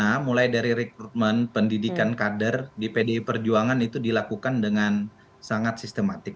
karena mulai dari rekrutmen pendidikan kader di pdi perjuangan itu dilakukan dengan sangat sistematik